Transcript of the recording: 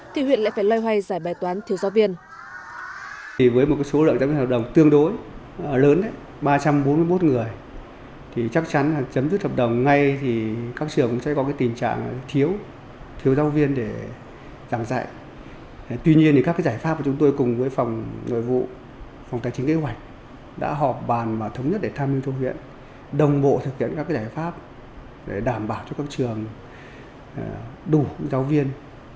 thì huyện lại phải loay hoay giải bài toán thiếu giáo viên